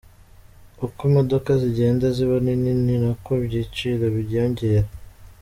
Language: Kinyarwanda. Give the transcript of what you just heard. Uko imodoka zigenda ziba nini ni nako ibiciro byiyongera.